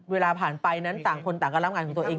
เวลาผ่านไปนั้นต่างคนต่างการรับงานของตัวเอง